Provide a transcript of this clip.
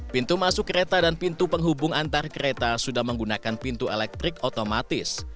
pintu masuk kereta dan pintu penghubung antar kereta sudah menggunakan pintu elektrik otomatis